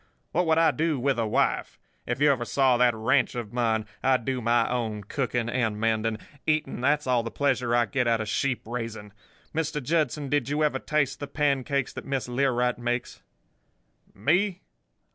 What would I do with a wife? If you ever saw that ranch of mine! I do my own cooking and mending. Eating—that's all the pleasure I get out of sheep raising. Mr. Judson, did you ever taste the pancakes that Miss Learight makes?' "'Me?